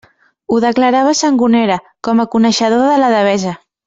Ho declarava Sangonera, com a coneixedor de la Devesa.